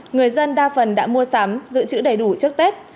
người dân đa phần đã mua sắm giữ chữ đầy đủ trước tết